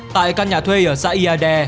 tại các nhà thuê ở xã iade